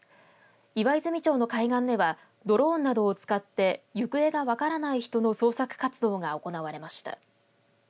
岩泉町の海岸ではドローンなどを使って行方が分からない人の捜索活動が行われました。